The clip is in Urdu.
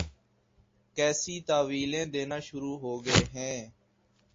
کیسی تاویلیں دینا شروع ہو گئے ہیں۔